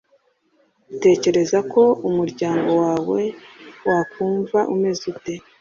utekereza ko umuryango wawe wakumva umeze ute?